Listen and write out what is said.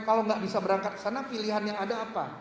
kalau tidak bisa berangkat kesana pilihan yang ada apa